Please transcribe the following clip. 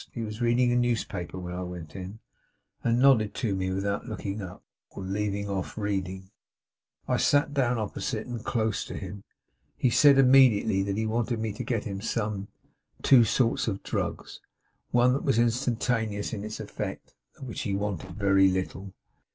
He was reading a newspaper when I went in, and nodded to me without looking up, or leaving off reading. I sat down opposite and close to him. He said, immediately, that he wanted me to get him some of two sorts of drugs. One that was instantaneous in its effect; of which he wanted very little.